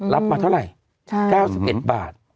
รับมาเท่าไหร่๙๑บาท